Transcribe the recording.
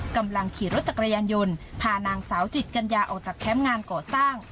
กำลังขี่รถจักรยานยนต์พานางสาวจิตกัญญาออกจากแคมป์งานก่อสร้าง